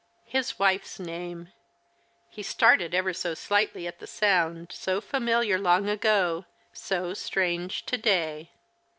His wife's name ! He started ever so slightly at the sound ; so familiar long ago, so strange to day.